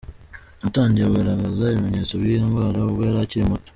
Yatangiye kugaragaza ibimenyetso by’iyi ndwara ubwo yari akiri muto.